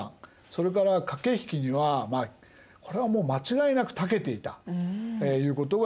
それから駆け引きにはこれはもう間違いなくたけていたということがいえる。